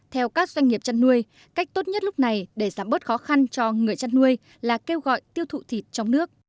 theo các doanh nghiệp chăn nuôi cách tốt nhất lúc này để giảm bớt khó khăn cho người chăn nuôi là kêu gọi tiêu thụ thịt trong nước